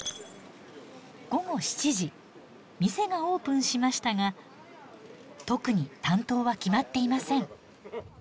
店がオープンしましたが特に担当は決まっていません。